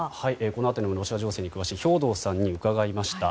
この辺りもロシア情勢に詳しい兵頭さんに伺いました。